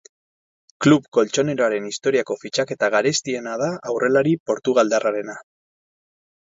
Klub koltxoneroaren historiako fitxaketa garestiena da aurrelari portugaldarrarena.